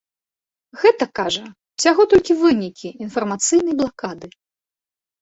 Гэта, кажа, ўсяго толькі вынікі інфармацыйнай блакады.